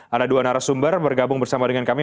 ada dua narasumber bergabung bersama dengan kami